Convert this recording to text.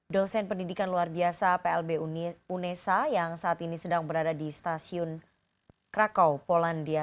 dosen pendidikan luar biasa plb unesa yang saat ini sedang berada di stasiun krakau polandia